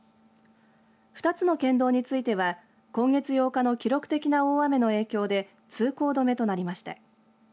２つの県道については今月８日の記録的な大雨の影響で通行止めとなりました。